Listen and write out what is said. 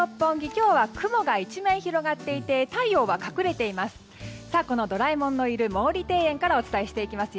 今日は雲が一面広がっていて太陽は隠れています。